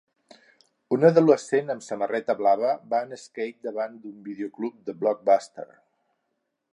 Un adolescent amb samarreta blava va en skate davant d'un videoclub de Blockbuster